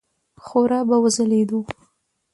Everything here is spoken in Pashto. خورا به وځلېدو.